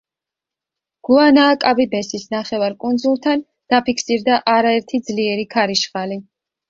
გუანააკაბიბესის ნახევარკუნძულთან დაფიქსირდა არაერთი ძლიერი ქარიშხალი.